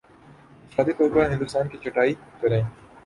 انفرادی طور پر ہندسوں کی چھٹائی کریں